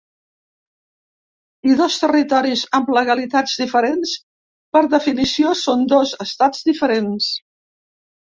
I dos territoris amb legalitats diferents per definició són dos estats diferents.